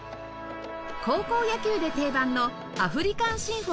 高校野球で定番の『アフリカン・シンフォニー』